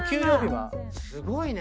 すごいね。